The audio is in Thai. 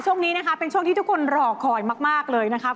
ช่วงนี้นะคะเป็นช่วงที่ทุกคนรอคอยมากเลยนะคะ